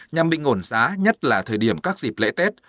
nhằm bình ổn giá nhất là thời điểm các dịp lễ tết